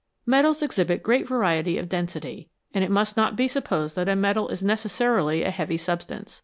Metals exhibit great variety of density, and it must not be supposed that a metal is necessarily a heavy sub stance.